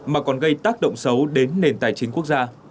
mà còn gây tác động xấu đến nền tài chính quốc gia